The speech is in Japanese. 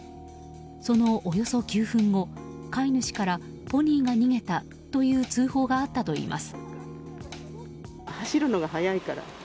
その、およそ９分後飼い主からポニーが逃げたという通報があったといいます。